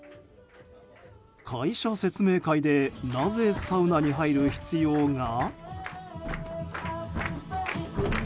会社説明会でなぜ、サウナに入る必要が？